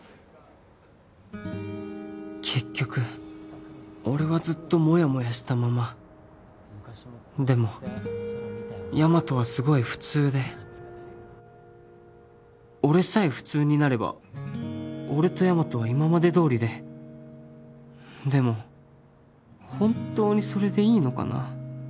結局俺はずっとモヤモヤしたままでもヤマトはすごい普通で俺さえ普通になれば俺とヤマトは今までどおりででも本当にそれでいいのかな